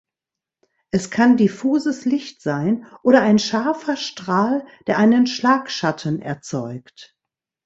Es kann diffuses Licht sein oder ein scharfer Strahl, der einen Schlagschatten erzeugt.